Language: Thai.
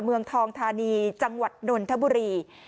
เมืองทองธานีจังหวัดนนทบุรี